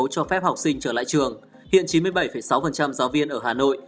cho phép học sinh trở lại trường hiện chín mươi bảy sáu giáo viên ở hà nội